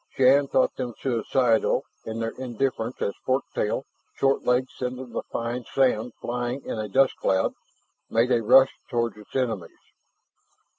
Shann thought them suicidal in their indifference as fork tail, short legs sending the fine sand flying in a dust cloud, made a rush toward its enemies.